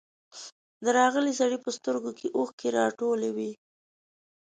د راغلي سړي په سترګو کې اوښکې راټولې وې.